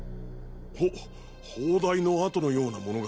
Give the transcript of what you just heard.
ほ砲台の跡のような物が。